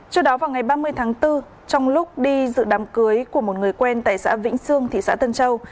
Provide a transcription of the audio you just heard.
trước đó vào ngày ba mươi tháng bốn trong lúc đi dự đám cưới của một người quen tại xã vĩnh sương thị xã tân châu